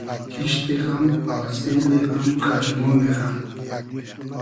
کیشت غئم آسیلی غئم خئرمۉنی غئم